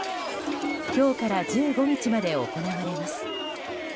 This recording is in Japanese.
今日から１５日まで行われます。